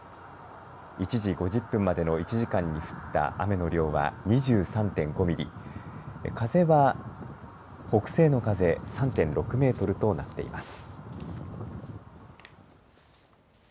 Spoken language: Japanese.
１時５０分までの１時間に降った雨の量は２３．５ミリ風は北西の風３．６メートルとなっています。